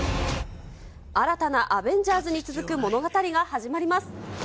新たなアベンジャーズに続く物語が始まります。